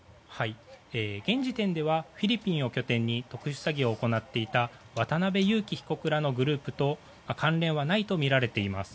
現時点ではフィリピンを拠点に特殊詐欺を行っていた渡邉優樹被告らのグループと関連はないとみられています。